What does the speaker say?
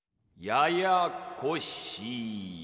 ややこしや。